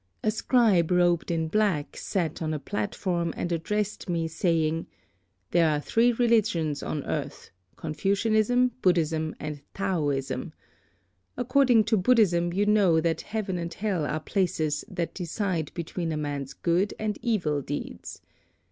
A scribe robed in black sat on a platform and addressed me, saying, 'There are three religions on earth, Confucianism, Buddhism and Taoism. According to Buddhism, you know that heaven and hell are places that decide between man's good and evil deeds.